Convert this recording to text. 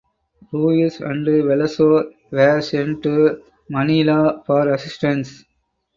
Ruiz and Veloso were sent to Manila for assistance.